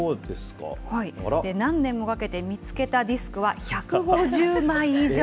何年もかけて見つけたディスクは１５０枚以上。